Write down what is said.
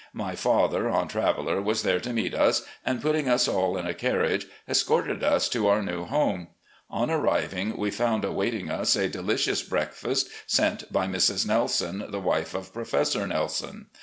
My father, on Traveller, was there to meet us, and, putting us all in a carriage, escorted us to our new home. On arriving, we found awaiting us a delicious breakfast sent by Mrs. Nelson, the wife of Professor Nelson.